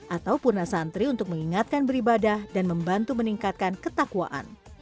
atau purna santri untuk mengingatkan beribadah dan membantu meningkatkan ketakwaan